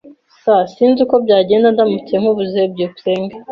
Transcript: S Sinzi uko byagenda ndamutse nkubuze. byukusenge